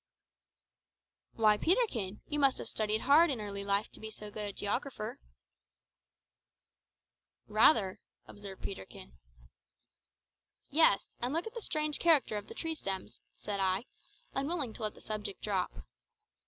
"Why, Peterkin, you must have studied hard in early life to be so good a geographer." "Rather," observed Peterkin. "Yes; and look at the strange character of the tree stems," said I, unwilling to allow the subject to drop.